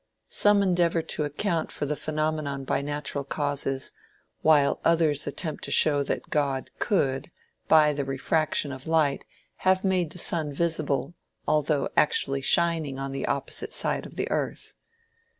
Some endeavor to account for the phenomenon by natural causes, while others attempt to show that God could, by the refraction of light have made the sun visible although actually shining on the opposite side of the earth.